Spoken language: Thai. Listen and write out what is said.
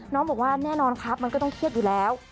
น้องบอกว่าแน่นอนครับมันก็ต้องเครียดอยู่แล้ว